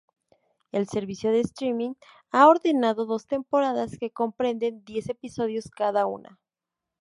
El servicio de streaming ha ordenado dos temporadas, que comprenden diez episodios cada una.